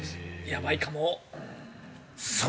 やばいかも！